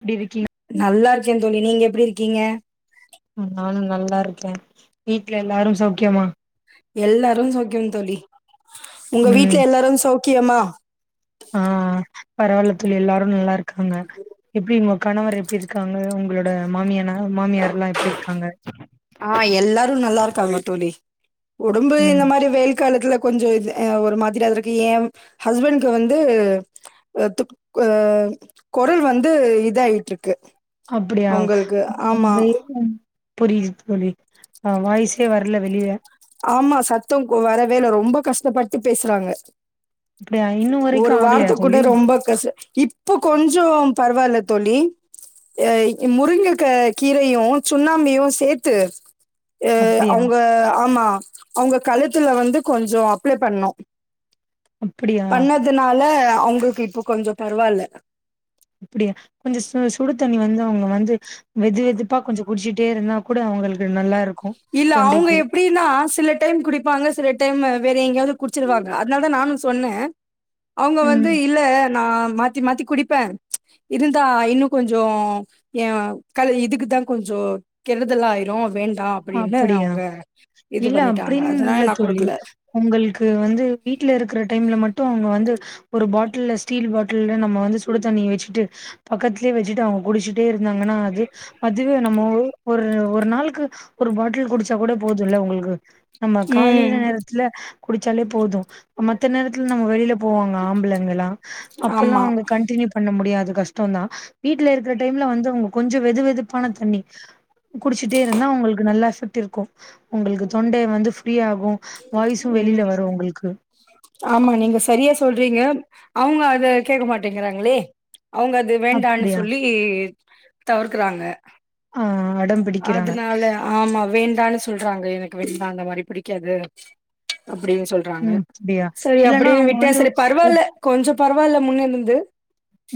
எப்டி இருக்கீ நல்லாருக்கே தோழி நீங்க எப்டி இருக்கீங்க? நானு நல்லாருக்கே வீட்ல எல்லாரு சௌக்கியமா? எல்லாரும் சௌக்கியம் தோழி உங்க ம் வீட்ல எல்லாரும் சௌக்கியமா? ஆ பரவால்ல தோழி எல்லாரு நல்லாரு க்காங்க எப்டி ஒ கணவர் எப்டி இருக்காங்க? உங்களோட மாமியானா மாமியார்லா எப்டி இருக்காங்க? ஆ எல்லாரு நல்லாருக்காங்க தோழி உடம்பு ம் இந்த மாரி வெயில் காலத்துல கொஞ்சொ இது அ ஒரு மாதிரி அவருக்கு ஏ ஹஸ்பண்ட்க்கு வந்து அ துக் ஆ கொரல் வந்து இதாயிட்ருக்கு அப்புடியா [unintelligible] புரியிது தோழி அ வாய்ஸே வர்ல வெளிய ஆமா சத்தொக் வரவேல்ல ரொம்ப கஷ்டப்பட்டு பேசுறாங்க அப்டியா இன்னு வரைக்கு ஒரு ஆகலையா வார்த்த கூட தோழி ரொம்ப கச இப்ப கொஞ்சொ பரவால்ல தோழி எ முருங்கக கீரையு சுண்ணாம்பயு சேத்து அ அப்டியா அவுங்க ஆமா அவுங்க கழுத்துல வந்து கொஞ்சொ அப்ளே பண்ணோ அப்டியா பண்ணதுனால அவுங்கக்கு இப்ப கொஞ்சொ பரவால்ல அப்புடியா கொஞ்ச ச சுடு தண்ணி வந்து அவுங்க வந்து வெது வெதுப்பா கொஞ்சொ குடிச்சிட்டே இருந்தா கூட அவுங்களுக்கு நல்லா இரு இல்ல அவுங்க எப்டின்னா சில டைம் குடிப்பாங்க சில டைமு வேற எங்யாவ்து குடிச்சிருவாங்க அதுனால தா நானு சொன்னே அவுங்க ம் வந்து இல்ல நா மாத்தி மாத்தி குடிப்பே இருந்தா இன்னு கொஞ்சோ ஏ கல் இதுக்கு தா கொஞ்சோ கெடுதல் ஆயிரு வேண்டா அப்டின்னு அப்புடியா அவுங்க இது இல்ல பண்ணிட்டாங்க அப்டின் அதனால இல்ல நா தோழி குடுக்கல உங்கள்க்கு வந்து வீட்ல இருக்குற டைம்ல மட் டு அவுங்க வந்து ஒரு பாட்டில்ல ஸ்டீல் பாட்டில்ல நம்ம வந்து சுடு தண்ணி வச்சுட்டு பக்கத்லயே வச்சிட்டு அவுங்க குடிச்சுட்டே இரு இருந்தாங்கன்னா அது அதுவே நம்ம உ ஒரு ஒரு நாள்க்கு ஒரு பாட்டில் குடிச்சா கூட போதுல்ல உங்களுக்கு நம்ம காலைல ம் நேரத்துல குளிச்சாலே போது மத்த நேரத்துல நம்ம வெளியல போவாங்க ஆம்பளைங்களா அப்பல்லா ஆமா அவுங்க கண்டினியூ பண்ண முடியாது கஷ்டதா வீட்ல இருக்கற டைம்ல வந்து. அவுங்க கொஞ்சொ வெது வெதுப்பான தண்ணி குடிச்சிட்டே இருந்தா அவுங்களுக் நல்ல எஃக்ட் இருக்கு உங்களுக்கு தொண்டை வந்து ஃப்ரீயாகு ம் ஆமா நீங்க சரியா சொல்றீங்க அவுங்க அத கேக்க மாட்டேங்கிறாங்களே அவுங்க அத வேண்டான் அப்டியா சொல்லி தவர்க்கறாங்க ஆ அடம் பிடிக்கிறாங்க அதனால ஆமா வேண்டான் சொல்றாங்க எனக் வீட்ல அந்த மாரி பிடிக்காது அப்டின் சொல்றாங்க ம் அப்டியா சரி இல்லன்னா அப்பிடின்னு அவங்க விட்டா வந்து சரி உப் பரவால்ல கொஞ்சொ பரவால்ல முன்ன இருந்து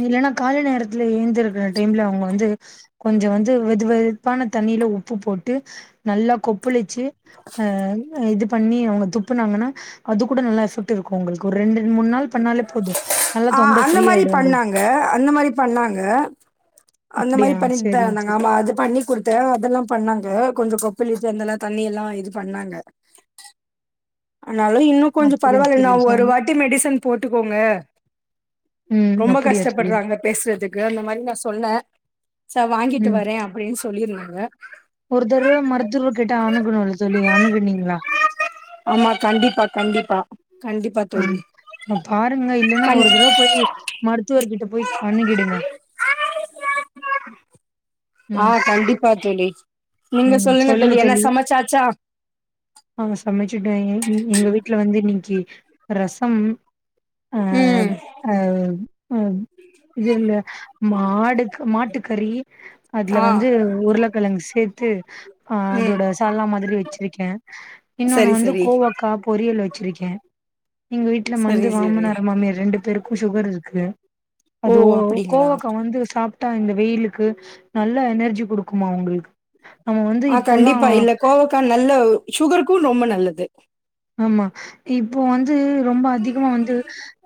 இல்லன்னா காலை நேரத்துல ஏழுந்திருக்க டைம்ல அவுங்க வந்து கொஞ்சொ வந்து வெது வெதுப்பான தண்ணில உப்பு போட்டு நல்லா கொப்புளிச்சு ஆ அ இது பண்ணி அவுங்க துப்புனாங்கன்னா அது கூட நல்லா எஃபக்ட் இருக்கு உங்களுக்கு ஒரு ரெண்டு மூன் நாள் பண்ணாலே போது நல்லா தொண்ட ஃப்ரீ ஆயிடு உங்களுக் ங்க அந்த மாரி பண்ணாங்க அந்த மாரி அப்டியா பண்ணிட்டு தா இருந்தாங்க செரிங்க ஆமா அது பண்ணி குடுத்தே அதெல்லா பண்ணாங்க கொஞ்சொ கொப்பிலிட்டு இருந்தெல்லா தண்ணில்லா இது பண்ணாங்க ஆனாலு இன்னு கொஞ்ச தோழி அப்டியா பரவால்ல தோழி ஒரு வாட்டி மெடிசன் போட்டுக்கோங்க ம் ரொம்ப அப்டியா தோழி கஷ்டப்படறாங்க பேசுறதுக்கு அந்த மாரி நா சொன்னே சா வாங்கிட்டு ம் வரேன் அப்டின்னு சொ சொல்லிருந்தாங்க ஒரு தடவ மருத்துவர்கிட்ட அனுகணு தோழி அணுகணிங்களா ஆமா கண்டிப்பா கண்டிப்பா கண்டிப்பா தோழி ஆமா பாருங்க இல்லன்னா கண் ஒரு தடவ போய் மருத்துவர் கிட்ட போய் அனுகிடுங்க ஆ கண்டிப்பா தோழி நீங்க ம் சொல்லுங்க என்ன தோழி சமச்சாச்சா ஆ சமைச்சுட்டே ம் எங்க வீட்ல வந்து இன்னக்கி ரசம் ஆ ம் ஆ ஆ இது இந்த மாடு க் மாட்டுக்கறி அதுல ஆ வந்து உருளக்கெழங்கு சே த்து ம் அதோட சால்னா மாதிரி வச்சிருக்கே இன்னொன்னு சரி வந்து சரி கோவக்கா பொரியல் வ ச்சிருக்கே எங்க வீட்ல சரி வந்து சரி மாமனார் மாமியார் ரெண்டு பேருக்கு சுகர் இருக்கு அது ஓ கோவக்கா வந்து சாப் ட்டா இந்த வெயிலுக்கு நல்ல எனர்ஜி குடுக்குமா அவுங்களுக்கு ஆ கண்டிப்பா இல்ல கோவக்கா நல்ல சுகர்க்கு ரொம்ப நல்லது ஆமா இப்ப வந்து ரொம்ப அதிகமா வந்து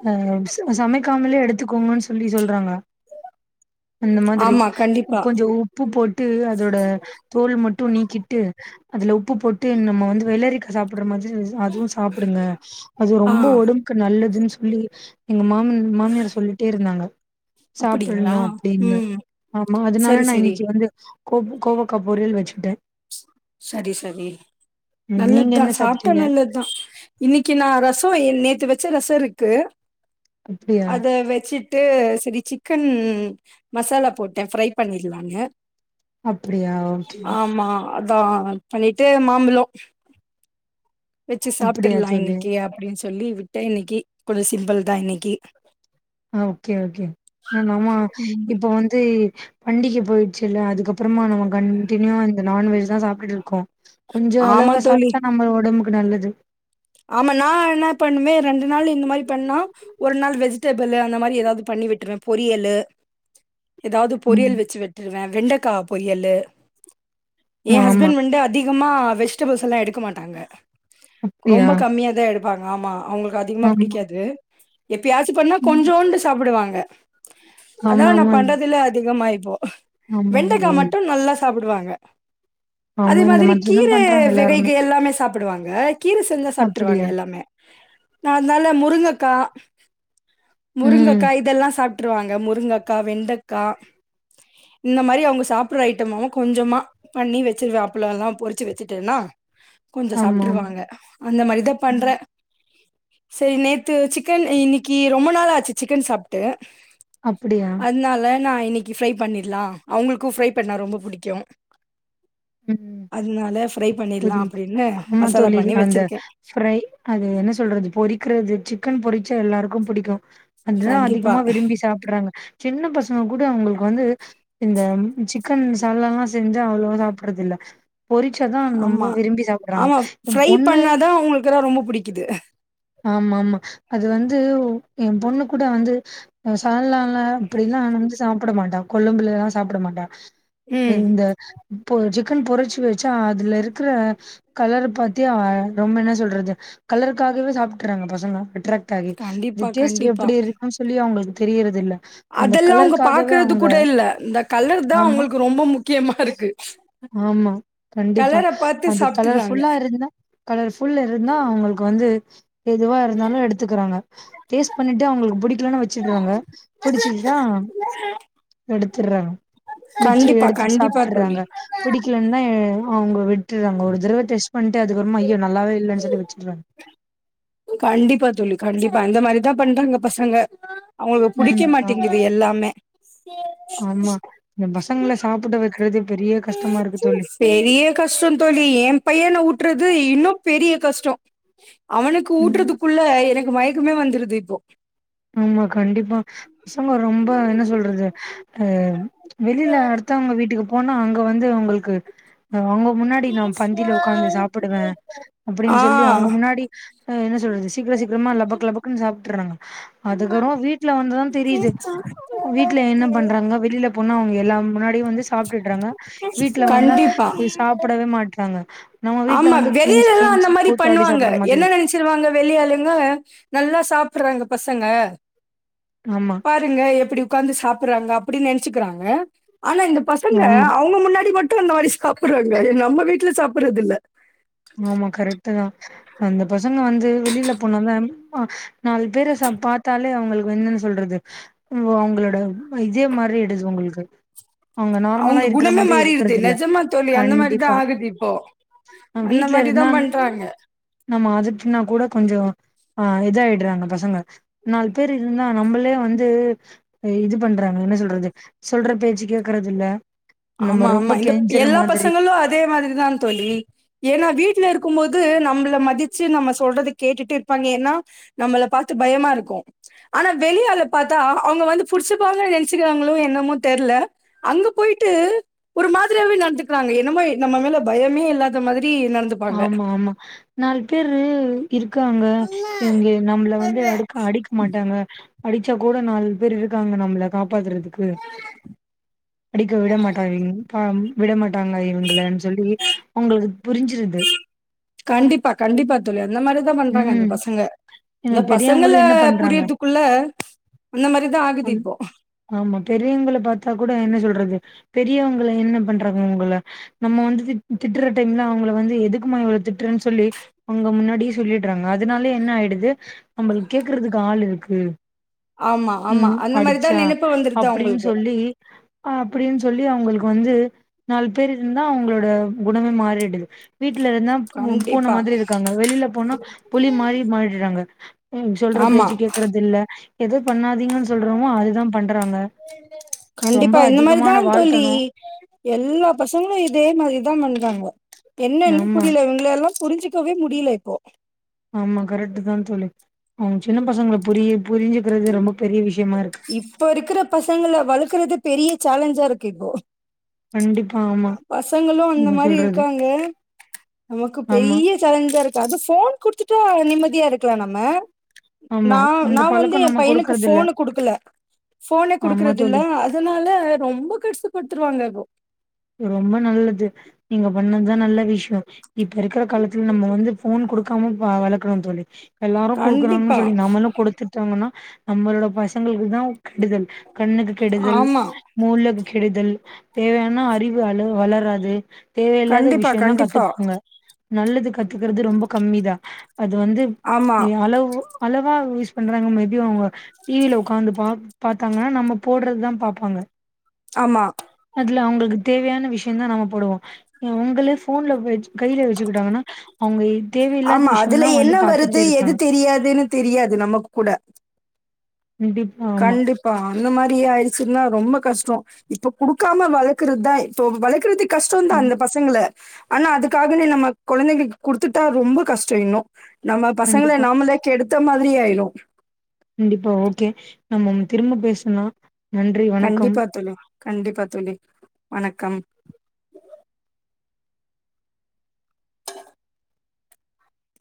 ஆ து சமைக்காமலே எடுத்துக்கோங்கன்னு சொல்லி சொல்றாங்க அந்த மாதிரி ஆமா உ கண்டிப்பா. கொஞ்சோ உப்பு போட்டு அதோட தோல் மட்டு நீக்கிட்டு அதுல உப்பு போட்டு நம்ம வந்து வெள்ளரிக்கா சாப்புடுற மா அதுவு சாப்புடுங்க அது ஆ ரொம்ப ஒடம்புக்கு நல்லதுன்னு சொ ல்லி எங்க மா ம் மாமியார் சொல்லிட்டே இருந்தாங்க அப்படிங்களா? சாப்புடனு அப்டின்னு ம். ஆமா அதுனால சரி, நா சரி, இன்னிக்கு வந்து கோப் கோவக்கா பொரியல் வச்சுட்டே சரி சரி ம். நீங்க நல்லதுதா என்ன சாப்ட்டா சாப்ட்டீங்க நல்லதுதா இன்னக்கி நா ரசோ எ நேத்து வெச்ச ரசோ இருக்கு அப்டியா அத வெச்சு ட்டு செரி சிக்கன் மசாலா போட்டே ஃப்ரை பண்ணிடலான்னு அப்டியா ஓகே அதா பண்ணிட்டு மாம்பழோ வெச்சு அப்டியா சாப்ட்டுருலா தோழி இன்னிக்கு அப்டின்னு சொல்லி விட்டே இன்னக்கி கொஞ்சோ சிம்பிள்தா இன்னக்கி ஆ ஓகே ஓகே ஆ நாம ம். இப்ப வந்து பண்டிக போயிட்ச்சுல்ல அதுக்கப் புறமா நம்ம கண்டினியூவா இந்த நான்வெஜ்தா சாப்புடுட்டு இருக்கோ கொஞ்ச ஆமா அளவா தோழி. சாப்ட்டா நம்ம ஒடம்புக் கு நல்லது ஆமா நா என்ன பண்ணுவே ரெண்டு நாள் இந்த மாரி பண்ணா ஒரு நாள் வெஜிடேபுள் அந்த மாரி எதாவது பண்ணி விட்டுருவே பொரியலு எதாவது ம் பொரியல் வெச்சுவிட்டுருவே வெண்டக்கா பொரியல்லு ஏ ஆமா ஆமா ஹஸ்பண்ட் வன்ட்டு அதி கமா வெஜிடேபுள்ஸ் எல்லா எடுக்கமாட்டாங்க க் அப்டியா ரொம்ப கம்மியாதா எடு ப்பாங்க ஆமா அவங்களுக் றா அதிகமா ஆமா புடிக்காது எப்பியாச்சு பண்ணா ம் கொஞ்சோண்டு சாப்புடுாங் சாப்பிடுவாங்க அதா ஆமா நா ஆமா பண்றதுல அதிகமாயி ஆமா வெண்டைக்கா ஏய், மட்டு நல்லா ச சாப்புடுவாங்க அதே ஆமா இந்த மாதிரி மாதிரிதா கீரை பண்றாங்க எல்லாருமே வெகைகள் எல்லாமே சாப் ப்புடுவாங்க கீர செஞ்சா சாப்பிட்டுருவாங்க அப்டியா எல்லாமே நா அனால முருங்கக்கா ம் முருங்கக்கா இதெல்லா சாப் ட்ருவாங்க முருங்கக்கா வெண்டக்கா இந்த மாரி அவுங்க சாப்புடுற ஐட்டம் கொஞ்சமா பண்ணி வச்சிருவே அப்பளல்லா பொரிச்சி வச்சிட்டன்னா கொஞ்சோ ஆமா ஆமா சாப்ட்டுருவாங்க அந்த மாரிதா பண்ற ம் சேரி நேத்து சிக்கன் இன்னிக்கு ரொம்ப நாள் ஆச்சி சிக்கன் சாப்புட்டு அப்பிடியா இன்னா இன்னிக்கு ஃப்ரை பண்ணிரலா அவங்களுக்கு ஃப்ரை பண்ணா ரொம்ப புடிக்கு ம் அதனால ஃப்ரை பண்ணிடலாம் புரி அப்டின்னு ஆமா மசாலா தோழி பண்ணி வச் அந்த ஃப்ரை அது என்ன சொல்றது பொறிக்கிறது வச்சி சிக்கன் பொரிச்சா எல்லாருக்கும் பிடிக்கும் அதுதான் கண்டிப்பா அதிகமா விரும்பி சாப்படறாங்க சின்ன பசங்க கூடோ அவங்களுக்கு வந்து இந்த சிக் கன் மசாலாலா செஞ்சா அவ்ளோ சாப் பறதுல்ல ஆமா ஆமா என் ஃப்ரை பொண்ணு பண்ணாதான் அவுங்களுக்குல்லாம் ரொம்ப புடிக்குது ஆமா ஆமா அது வந்து என் பொண்ணு கூட வந்து சால்னால அப்டிலாம் வந்து சாப்பட மாட்டா கொழும்புலலாம் சாப்பட மாட்டா ம் இந்த இப்போ சிக்கன் பொரிச்சு வச்சா அதுல இருக்கிற கலர பாத்தே ஆ ரொம்ப என்ன சொல்றது கலருக்காகவே சாப் டறாங்க பசங்க அட்ராக்ட் டாகி இந்த கண்டிப்பா டேஸ்ட் கண்டிப்பா எப்டி இருக்குன்னு சொல்லி அவுங்களுக்கு தெரிகிறதில்ல அந்த அதெல்லா அவங்க கலருக்காகவே பாக்குறது அவுங்க கூட இல்ல இந்த கலர் தா ஆமா அவங்களுக்கு ரொம்ப முக்கியமா இருக்கு ஆமா கண்டிப்பா கலர பாத்து அது சாப்ட்டுறாங்க கலர்ஃபுல்லா இருந்தா கலர்ஃபுல்ல இருந்தா அவுங்களுக்கு வந்து எதுவா இருந்தாலும் எடுத்துக்கிறாங்க டேஸ்ட் பண்ணிட்டு அவுங்களுக்கு புடிக்கலன்னா வச்சிடுவாங்க புடிச்சிட்டா எடுத்துடறாங்க வச்சி கண்டிப்பா எடுத்துட்டு கண்டிப்பா தோழி சாப்ட்டறாங்க புடிக்கலன்னா அவுங்க விட் டறாங்க ஒரு தடவ டெஸ்ட் பண்ட்டு அக்கப்பறமா ஐயோ நல்லாவே இல்லன் சொல்லி வச்சிடறாங்க கண்டிப்பா தோழி கண்டிப்பா இந்த மாரிதான் பண்றாங்க பசங்க அவுங்களுக்கு புடிக்க ம் ஆமா மாட்டேங்குது எல்லாமே ஆமா இந்த பசங்கள சாப்பட வைக்க பெரிய கஷ்டம் தோழி என் பையன ஊட்டறது இன்னும் பெரிய கஷ்டம் அவனுக்கு ம் ஊட்டறதுக்குள்ள எனக்கு மயக்கமே வந்துருது இப்போ ஆமா கண்டிப்பா பசங்க ரொம்ப என்ன சொல்றது ஆ வெளியில அடுத்தவங்க வீட்டுக்கு போனா அங்க வ ந்து அவுங்களுக்கு நா உங்க முன்னாடி நா பந்தில உக்காந்து சாப்பிடுவே ஆ அப்பிடின்னு சொல்லி அவங்க முன்னாடி ஆ என்ன சொல்றது சீக்கிர சீக்கிரமா லபக் லபக்குன்னு சாப்ட்டுர்றாங்க அதுக்கப்புறமா வீட்ல வந்துதா தெரியுது வீட்ல என்ன பண்றாங்க வெளி ல போனா அவங்க எல்லார் முன்னா டி வந்து சாப்ட்டுடறாங்க வீட்ல வந்தா கண்டிப்பா இது சாப்படவே மாட்றாங்க நம்ம வீட்ல ஆமா வந்து வெளில கெஞ்சி எல்லா அந்த கெஞ்சி மாரி கூத்தாடி பண்ணுவாங்க சாப்டுற மாதிரி என்ன இருக்கு நெனைச்சிருவாங்க வெளி ஆளுங்க நல்லா சாப் பட்றாங்க பசங்க ஆமா பாருங்க எப்பிடி உக்காந்து சாப்பட்றாங்க அ ப்டி நெனச்சுக்கறாங்க ஆனா இந்த பசங்க ஆமா அவங்க முன்னாடி மட் டு அந்த மாரி சாப்படுறாங்க எ நம்ம வீட்ல சாப்படுறதில்ல ஆமா கரெக்ட்டுதா அந்த பசங்க வந்து வெளில போனாலே ஆ நாலு பேர சா பாத்தாலே அவங்களுக்கு என்னன்னு சொல்றது ம் அவங்களோட இதே மாரிடுது உங்களுக்கு நார்மலா அவங்க இருக்கிற குணமே மாதிரி மாறிடுது இருக்கறது இல்ல நெஜமா தோழி அந்த மாரிதா ஆகுது இப்போ ஆ அந்த வீட்ல மாரி இருந்தா தான் பண்றாங்க. நம்ம அதட்டுனா கூட கொஞ்சோ ஆ இதாயிடுறாங்க பசங்க நாலு பேர் இருந்தா நம்பளே வந்து இ இது பண்றாங்க என்ன சொல்றது சொல்ற பேச்சு கேக்குறது இல்ல நம்ம ஆமா ரொம்ப ஆமா இந்த கெஞ்சற எல்லா மாதிரி பசங்களு அதே மாதிரிதா தோழி ஏன்னா வீட்ல இருக்கும் போது நம்பள மதிச்சு நம்ம சொல்றத கேட்டுட்டு இருப்பாங்க ஏன்னா நம்மள பாத்து பயமா இருக்கு. ஆனா வெளி ஆள பாத்தா அவங்க வந்து புடிச்சுப்பாங்க நெனச்சுக்கிறாங்களோ என்னமோ தெர்ல அங்க போய் ட்டு ஒரு மாதிரியாவே நடந்துக்கிறாங்க என்னமோ நம்ம மேல பயமே இல்லாத மாதி ஆமா ஆமா நாலு பேரு இருக்காங்க இவங்க நம்மள வந்து அடுக்க அடிக்க மாட்டாங்க அடிச்சா கூட நாலு பேர் இருக்காங்க நம்மள காப்பாத்துறது க்கு அடிக்க விட மாட்டாங்க பாம் விடமாட் டாங்க இவங்களன்னு சொல்லி அவுங்களுக்கு புரிஞ்சிரு கண்டிப்பா கண்டிப்பா தோழி அந்த மாரிதா பண்றாங்க இந்த ம் பசங்க இந்த ஏன்னா பசங்கள பெரியவங்களும் என்ன பண்றாங்க புரியறதுக்குள்ள அந்த மாரிதா ஆகுது இப்போ ஆமா பெரியவங்களு என்ன பண்றாங்க அவங்கள நம்ம வந்து திட் திட்டுற டைம்ல அவங்கள வந்து எதுக்குமா இவ்வளவு திட்டுறன்னு சொல்லி அவங்க முன்னாடி சொல்லிடுறாங்க அதனாலயே என்ன ஆயிடுது நம்மளுக்கு கேக்குறதுக்கு ஆள் இருக்கு ஆமா ஆமா ம் அந்த மாரிதா அடிச்சா நெனப்பு வந்துருது அப்பிடின்னு அவங்களுக்கு சொல்லி அப்பிடின்னு சொல்லி அவங்களுக் வந்து நாலு பேர் இருந்தா அவுங்களோட குணமே மாறிடுது வீட்ல இருந்தா பூ பூன கண்டிப்பா மாதிரி இருக்காங்க வெளில போனா புலி மாறி மாறிடுறாங் க ம் சொல்ற ஆமா பேச்சு கேக்குறதில்ல ரொம்ப கண்டிப்பா இந்த அதிகமான மாரிதா தோழி வாழ்த்தனு எல்லா பசங்களு இதே மாரிதா பண்றாங்க என்னென்னே ஆமா புரியில இவுங்ளல்லா புரிஞ்சுக்கவே முடியில இப்போ ஆமா கரெக்ட்டு தா தோழி அவுங்க சின்ன பசங்கள புரிய புரிஞ்சுக்கிறதே ரொம்ப பெரிய விஷயமா இருக்கு இப்ப இருக்குற பசங்கள வளக்குறது பெரிய சேலஞ்சா இருக்கு இப்போ கண்டிப்பா ஆமா பசங்களு அந்த நீங்க மாரி சொல்றது இருக்காங்க நமக்கு ஆமா பெரிய சேலஞ்சா இருக்கு அது ஃபோன் குடுத்துட்டா நிம்ம தியா இருக்லா நம்ம ஆமா நா அந்த நா வந்து பழக்கம் எ நம்ம பையனுக்கு குடுக்கறது இல்ல ஃபோனு குடுக்கல ஃபோன ஆமா குடுக்குறதில்ல தோழி அதுனால ரொம்ப கஷ்ட படுத்ருவாங்க இபோ இ ரொம்ப நல்லது நீங்க பண்ணதா நல்ல விஷ்யொ இப்ப இருக்குற காலத்துல நம்ம வந்து ஃபோன் குடுக்காம பா வள க்கனு தோழி எல்லாரு குடுக்குறாங்கன் கண்டிப்பா சொல்லி நம்மளு குடுத்துட்டாங்கனா நம்மளோட பசங்களுக்கு தா கெடுதல் கண்ணுக்கு கெடுதல் ஆமா மூளக்கு கெடுதல் தேவையா ன அறிவு அளோ வளரா து தேவையல்லாத கண்டிப்பா விஷ்யொந்தா கண்டிப்பா கத்துப்போங்க நல்லதுக் கத்துக்கற்து ரொம்ப கம்மிதா அது வந்து ஆமா ஒ அளவு அளவா யூஸ் பண்றாங்க மேபி அவுங்க டி வி ல உக்காந்து பா பாத்தாங்கனா நம்ம போட்றதுதா பாப்பாங்க ஆமா அதுல அவுங்ளுக் நமக்கு தேவையான விஷ்யோ தா நம்ம போடுவோ ஏ உங்களே ஃபோன்ல [unintelligible] கைலே வச்சுக்கிட்டாங்கன்னா அவுங்க இத்தேவையில்லாத ஆமா. விஷ்யோ அதுல எல்லா வந்து என்ன வருது? எது பாத்துட்டேருக்காங்க தெரியாதுன்னு தெரியாது நமக்கு கூட. கண்டிப்பா ஆமா கண்டிப்பா. அந்த மாரியே ஆய்டுச்சுன்னா ரொம்ப கஷ்டோ இப்ப குடுக்காம வளக்கற்தா இப்போ வளக்கற்திக் கஷ்டோ தா ம் அந்த பசங்கள ஆனா அதுக்காகவே நம்ம கொழந்தைங்கக் குடுத்துட்டா ரொம்ப கஷ்டோ இன்னும் நம்ம பசங்கள கண்டிப்பா நாமளே கெடுத் த மாதிரி ஆயிடும் கண்டிப்பா ஓகே நம்ம திரும்ப பேசனா நன்றி வணக்கம் கண்டிப்பா தோழி. கண்டிப்பா தோழி வணக்கம்